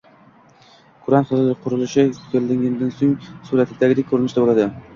Kurant qurilishi tugallanganidan so‘ng suratdagidek ko‘rinishda bo‘ladi